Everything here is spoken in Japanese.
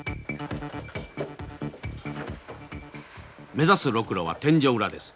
目指すロクロは天井裏です。